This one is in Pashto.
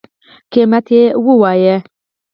قیمت یی ووایه